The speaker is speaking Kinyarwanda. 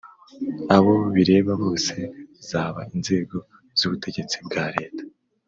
abo bireba bose zaba inzego z ubutegetsi bwa leta